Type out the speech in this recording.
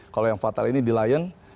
kalau yang fatal ini di lion